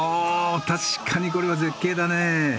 確かにこれは絶景だね。